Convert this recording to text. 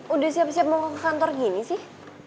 udah siap siap mau ke kantor gini sih